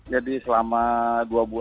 jadi selama dua bulan